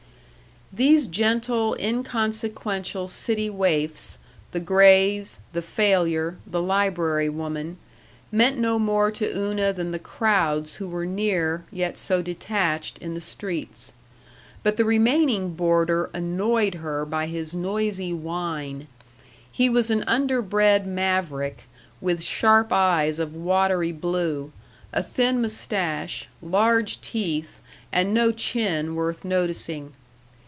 These gentle, inconsequential city waifs, the Grays, the failure, the library woman, meant no more to Una than the crowds who were near, yet so detached, in the streets. But the remaining boarder annoyed her by his noisy whine. He was an underbred maverick, with sharp eyes of watery blue, a thin mustache, large teeth, and no chin worth noticing.